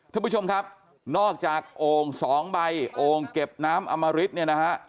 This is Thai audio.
ท่านผู้ชมครับนอกจากโอ่งสองใบโอ่งเก็บน้ำอมริตเนี่ยนะฮะ